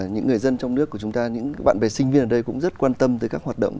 những người dân trong nước của chúng ta những bạn bè sinh viên ở đây cũng rất quan tâm tới các hoạt động